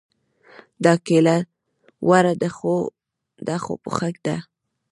دا کيله وړه ده خو پخه ده